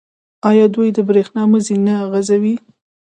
آیا دوی د بریښنا مزي نه غځوي؟